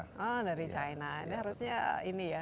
oh dari china ini harusnya